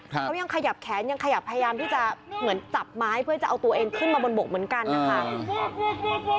เขายังขยับแขนยังขยับพยายามที่จะเหมือนจับไม้เพื่อจะเอาตัวเองขึ้นมาบนบกเหมือนกันนะคะ